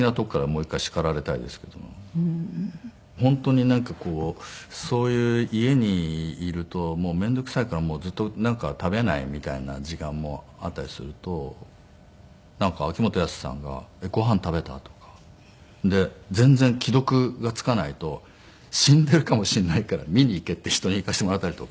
本当になんかこうそういう家にいると面倒くさいからずっとなんか食べないみたいな時間もあったりすると秋元康さんが「ご飯食べた？」とか。で全然既読がつかないと死んでいるかもしれないから見に行けって人に行かせてもらったりとか。